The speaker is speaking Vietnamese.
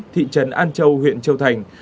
thị trấn an châu huyện châu thành